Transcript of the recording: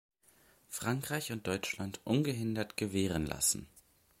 Frankreich und Deutschland ungehindert gewähren lassen?